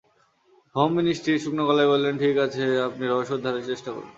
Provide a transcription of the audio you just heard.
Home মিনিষ্টির শুকনো গলায় বললেন, ঠিক আছে-আপনি রহস্য উদ্ধারের চেষ্টা করুন।